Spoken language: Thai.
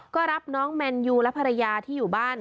ก็รับน้องแมนยูและภรรยาที่อยู่บ้าน